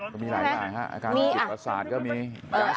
ก็มีหลายค่ะอาการอาจติดประสาทก็มีอาการเสพติดก็มีมีอ่ะ